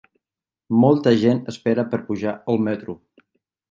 Molta gent espera per pujar al metro.